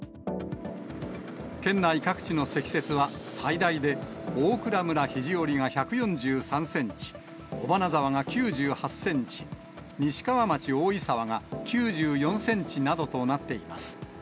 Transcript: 県内各地の積雪は、最大で大蔵村肘折が１４３センチ、尾花沢が９８センチ、西川町大井沢が９４センチなどとなっています。